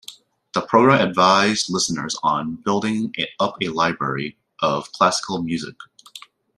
The program advised listeners on building up a library of classical music.